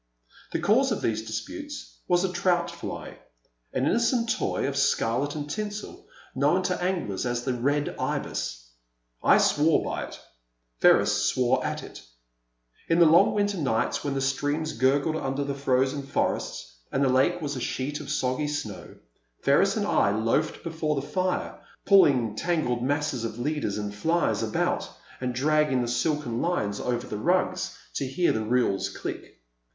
The cause of these disputes was a trout fly, an innocent toy of scarlet and tinsel, known to anglers as the Red Ibis.*' I swore by it, Ferris swore at it. In the long winter nights when the streams gurgled under the frozen forests and the lake was a sheet of soggy snow, Ferris and I loafed before the fire pulling tangled masses of leaders and flies about and dragging the silken lines over the rugs to hear the reels click.